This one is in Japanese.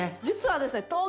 実はですねえ！